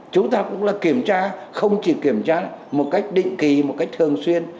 chúng ta cũng là kiểm tra không chỉ kiểm tra một cách định kỳ một cách thường xuyên